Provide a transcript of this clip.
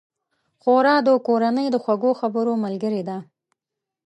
ښوروا د کورنۍ د خوږو خبرو ملګرې ده.